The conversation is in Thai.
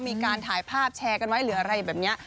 มีการถ่ายภาพแชร์กันไว้หรืออะไรแบบนี้